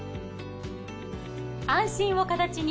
安心を形に。